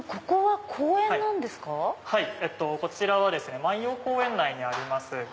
こちらは万葉公園内にあります